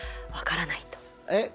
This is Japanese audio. えっ？